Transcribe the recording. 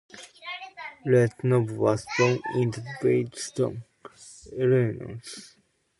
Red Norvo was born in Beardstown, Illinois.